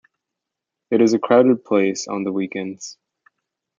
Its is a crowded place on the weekends.